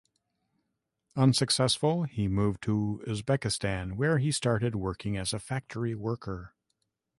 Unsuccessful, he moved to Uzbekistan, where he started working as a factory worker.